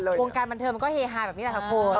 กรุงการบันเทิงมันก็เฮฮาแบบนี้ด้วยครับเขา